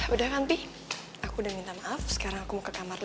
udah kan pi aku udah minta maaf sekarang aku mau ke kamar dulu